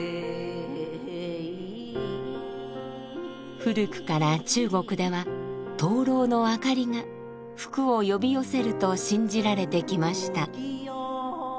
古くから中国では灯籠の明かりが福を呼び寄せると信じられてきました。